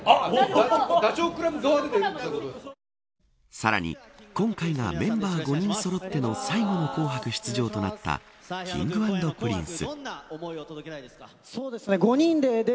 さらに、今回がメンバー５人そろっての最後の紅白出場となったＫｉｎｇ＆Ｐｒｉｎｃｅ。